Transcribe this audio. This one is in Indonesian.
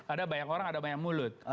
ada banyak orang ada banyak mulut